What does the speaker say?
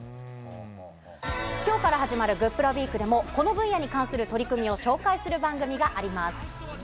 きょうから始まるグップラウィークでも、この分野に関する取り組みを紹介する番組があります。